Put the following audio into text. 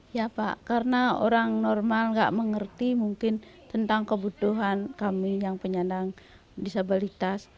ya pak karena orang normal nggak mengerti mungkin tentang kebutuhan kami yang penyandang disabilitas